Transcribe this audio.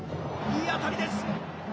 いい当たりです。